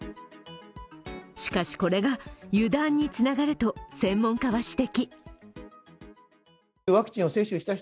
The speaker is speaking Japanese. しかし、これが油断につながると専門家は指摘。